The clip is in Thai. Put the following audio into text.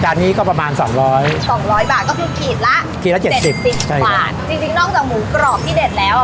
อันนี้ก็ประมาณสองร้อยสองร้อยบาทก็คือขีดละขีดละเจ็ดเจ็ดสิบบาทจริงจริงนอกจากหมูกรอบที่เด็ดแล้วอ่ะ